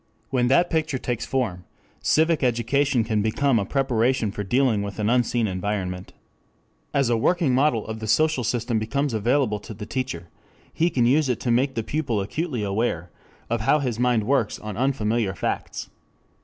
When that picture takes form, civic education can become a preparation for dealing with an unseen environment. As a working model of the social system becomes available to the teacher, he can use it to make the pupil acutely aware of how his mind works on unfamiliar facts.